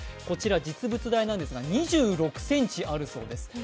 こちら実物大なんですが２６ｃｍあるそうです。